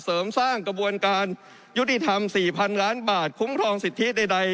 เสริมสร้างกระบวนการยุติธรรม๔๐๐๐ล้านบาทคุ้มครองสิทธิใด